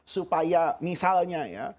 supaya misalnya ya